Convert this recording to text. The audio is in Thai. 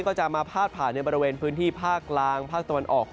ก็จะมาพาดผ่านในบริเวณพื้นที่ภาคกลางภาคตะวันออก